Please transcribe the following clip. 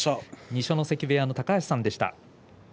二所ノ関部屋の高橋さんでした。